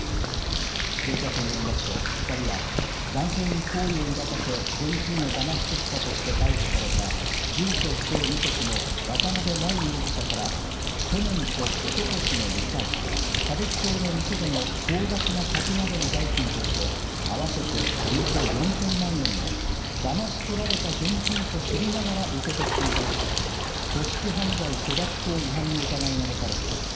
警察によりますと、２人は、男性に好意を抱かせ現金をだまし取ったとして逮捕された、住所不定無職の渡邊真衣容疑者から、去年とおととしの２回、歌舞伎町の店での高額な酒などの代金として、合わせておよそ４０００万円を、だまし取られた現金と知りながら受け取っていたとして、組織犯罪処罰法違反の疑いが持たれています。